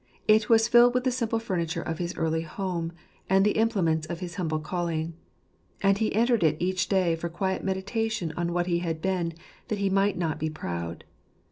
It was filled with the simple furniture of his early home, and the implements of his humble calling. And he entered it each day for quiet meditation on what he had been, that he might not be proud.